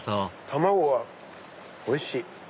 卵がおいしい。